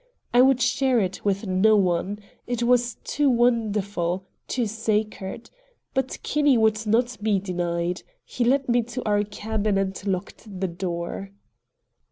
I would share it with no one. It was too wonderful, too sacred. But Kinney would not be denied. He led me to our cabin and locked the door.